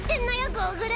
ゴーグル！